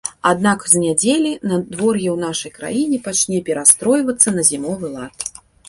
Аднак з нядзелі надвор'е ў нашай краіне пачне перастройвацца на зімовы лад.